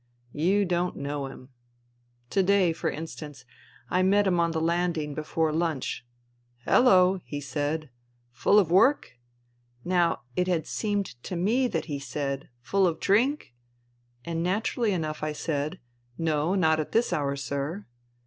You don't know him. To day, for instance, I met him on the land ing, before lunch. ' Hello !' he said. ' Full of work ?' Now it had seemed to me that he said ' Full of drink ?' and naturally enough I said, ' No, not at this hour, sir.'